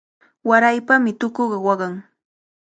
Waraypami tukuqa waqan.